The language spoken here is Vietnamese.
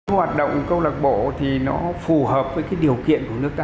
hoạt động cơ lộc bộ thì nó phù hợp với điều kiện của nước ta